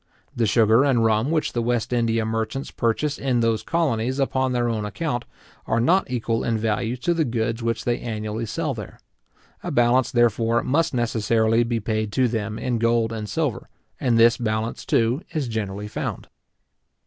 The sugar and rum which the West India merchants purchase in those colonies upon their own account, are not equal in value to the goods which they annually sell there. A balance, therefore, must necessarily be paid to them in gold and silver, and this balance, too, is generally found.